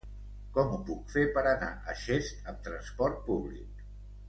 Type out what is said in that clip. Com ho puc fer per anar a Xest amb transport públic?